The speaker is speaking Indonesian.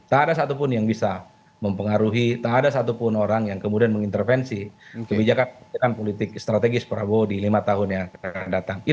tak ada satupun yang bisa mempengaruhi tak ada satupun orang yang kemudian mengintervensi kebijakan kebijakan politik strategis prabowo di lima tahun yang akan datang